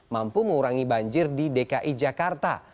mampu mengurangi banjir di dki jakarta